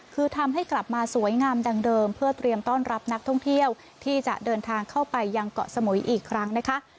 คือทำให้กลับมาสวยงามดังเดิมเพื่อเตรียมต้อนรับนักท่องเที่ยวที่จะเดินทางเข้าไปยังเกาะสมุยอีกครั้งนะคะ